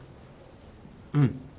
うん。